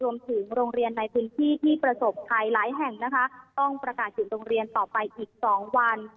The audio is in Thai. โรงเรียนในพื้นที่ที่ประสบภัยหลายแห่งนะคะต้องประกาศหยุดโรงเรียนต่อไปอีกสองวัน